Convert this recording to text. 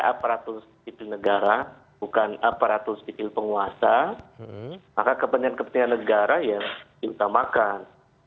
aparatus itu negara bukan aparatus titik penguasa maka kepentingan kepentingan negara yang kita makan